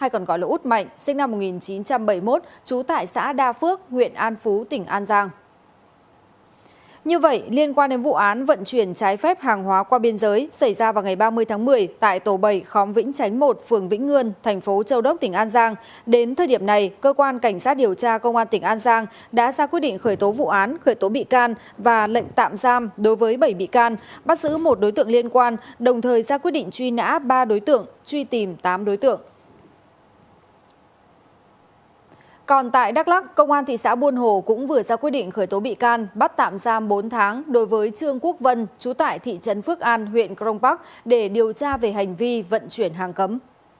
còn tại đắk lắc công an thị xã buôn hồ cũng vừa ra quy định khởi tố bị can bắt tạm giam bốn tháng đối với trương quốc vân chú tải thị trấn phước an huyện crong park để điều tra về hành vi vận chuyển hàng cấm